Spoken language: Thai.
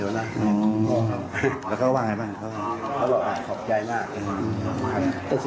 แล้วบอกเขาว่าขอบใจมาก